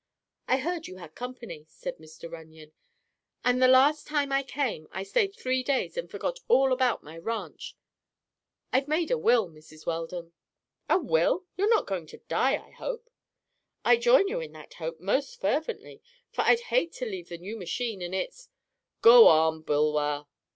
"I heard you had company," said Mr. Runyon; "and the last time I came I stayed three days and forgot all about my ranch. I've made a will, Mrs. Weldon." "A will! You're not going to die, I hope?" "I join you in that hope, most fervently, for I'd hate to leave the new machine and its—" "Go on, Bulwer."